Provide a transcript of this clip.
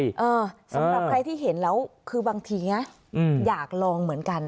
สำหรับใครที่เห็นแล้วคือบางทีนะอยากลองเหมือนกัน